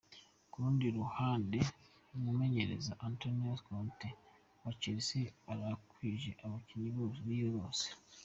Ku rundi ruhande umumenyereza Antonio Conte wa Chelsea arakwije abakinyi biwe bose.